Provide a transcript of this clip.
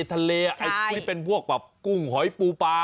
คุณเป็นพวกกุ้งหอยปูปลา